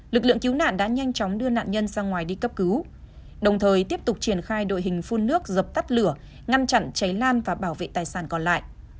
lực lượng cứu nạn đã nhanh chóng đưa nạn nhân ra ngoài đi cấp cứu đồng thời tiếp tục triển khai đội hình phun nước dập tắt lửa ngăn chặn cháy lan và bảo vệ tài sản còn lại